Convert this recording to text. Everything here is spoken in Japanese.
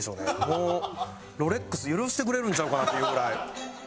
もうロレックス許してくれるんちゃうかなっていうぐらい。